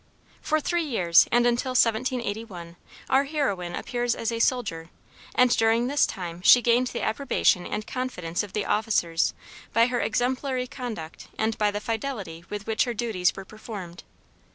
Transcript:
For three years, and until 1781, our heroine appears as a soldier, and during this time she gained the approbation and confidence of the officers by her exemplary conduct and by the fidelity with which her duties were performed.